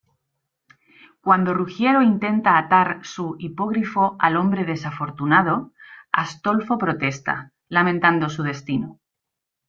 Cuando Ruggiero intenta atar su hipogrifo al hombre desafortunado, Astolfo protesta, lamentando su destino.